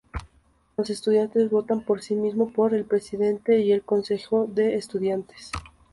Los estudiantes votan por sí mismos por el Presidente y el Consejo de Estudiantes.